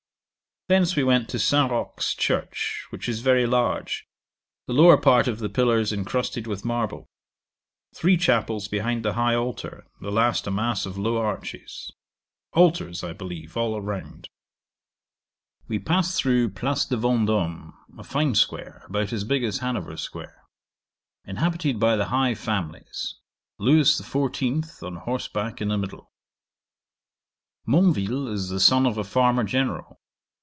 'Thence we went to St. Roque's church, which is very large; the lower part of the pillars incrusted with marble. Three chapels behind the high altar; the last a mass of low arches. Altars, I believe, all round. 'We passed through Place de Vendôme, a fine square, about as big as Hanover square. Inhabited by the high families. Lewis XIV. on horse back in the middle. 'Monville is the son of a farmer general.